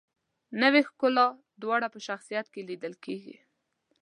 نوې ښکلا دواړه په شخصیت کې لیدل کیږي.